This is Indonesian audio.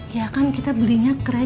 ya kan kita belinya kredit pak